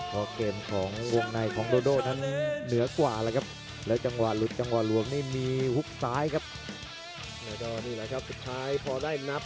เพราะเกมของวงในของโดโด้นั้นเหนือกว่าแล้วครับ